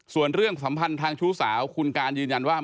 ส่วนเรื่องสัมพันธ์ทางชู้สาว